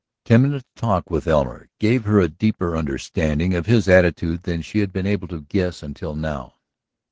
Ten minutes' talk with Elmer gave her a deeper understanding of his attitude than she had been able to guess until now.